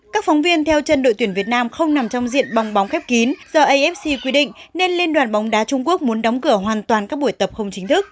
các phóng viên theo chân đội tuyển việt nam không nằm trong diện bong bóng khép kín do afc quy định nên liên đoàn bóng đá trung quốc muốn đóng cửa hoàn toàn các buổi tập không chính thức